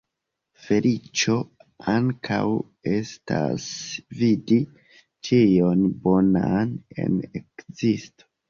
Feliĉo ankaŭ estas vidi ĉion bonan en ekzisto.